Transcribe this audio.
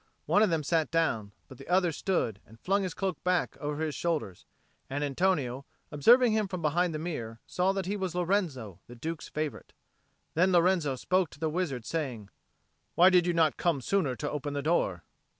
One of them sat down, but the other stood and flung his cloak back over his shoulders; and Antonio, observing him from behind the mirror, saw that he was Lorenzo, the Duke's favourite. Then Lorenzo spoke to the wizard saying, "Why did you not come sooner to open the door?"